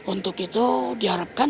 untuk itu diharapkan